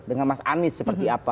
dengan mas anies seperti apa